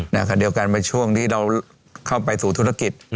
ขณะเดียวกันเป็นช่วงที่เราเข้าไปสู่ธุรกิจ